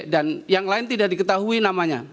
yang lain tidak diketahui namanya